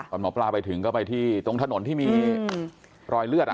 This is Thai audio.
หมอปลาไปถึงก็ไปที่ตรงถนนที่มีรอยเลือด